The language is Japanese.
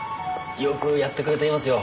よくやってくれていますよ。